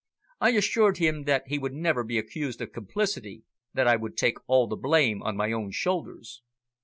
I assured him that he would never be accused of complicity, that I would take all the blame on my own shoulders."